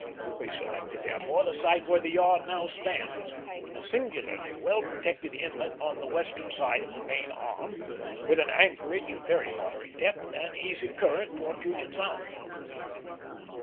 We selected, therefore, the site where the yard now stands, in a singularly well protected inlet on the western side of the main arm, with an anchorage of very moderate depth and easy current for Puget Sound.